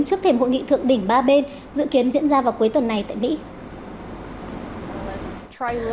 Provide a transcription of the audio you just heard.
trước thềm hội nghị thượng đỉnh ba bên dự kiến diễn ra vào cuối tuần này tại mỹ